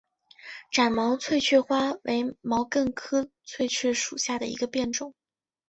展毛翠雀花为毛茛科翠雀属下的一个变种。